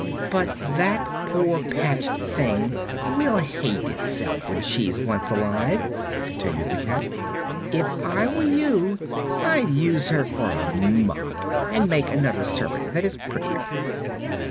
"But that poor patched thing will hate herself, when she's once alive," continued the cat. "If I were you I'd use her for a mop, and make another servant that is prettier."